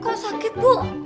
kok sakit bu